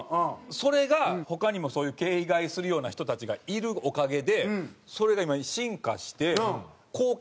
それが他にもそういう敬意買いするような人たちがいるおかげでそれが今進化して好景気が。